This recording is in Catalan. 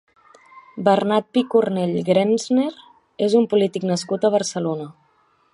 Bernat Picornell Grenzner és un polític nascut a Barcelona.